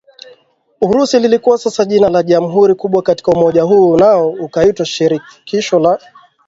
Urusi lilikuwa sasa jina la jamhuri kubwa katika umoja huu nao ukaitwa Shirikisho la